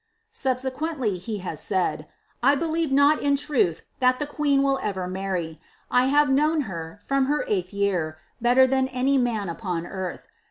Subsequently he has eaid, ■ 1 believs not in If"'*' the queen will eter marry. I have known her. from her eighl better than any man upon earth.